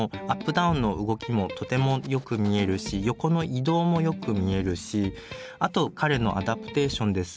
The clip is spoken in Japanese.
ダウンの動きもとてもよく見えるし横の移動もよく見えるしあと彼のアダプテーションですね。